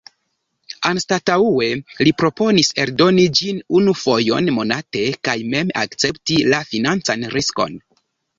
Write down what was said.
Anstataŭe li proponis eldoni ĝin unu fojon monate, kaj mem akcepti la financan riskon.